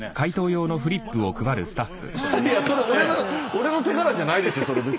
俺の手柄じゃないでしょそれ。